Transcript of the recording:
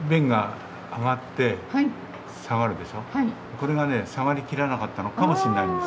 これがね下がりきらなかったのかもしんないんです。